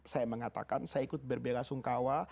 saya mengatakan saya ikut berbela sungkawa